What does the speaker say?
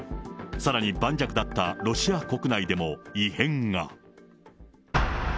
さらに盤石だったロシア国内でも、異変が。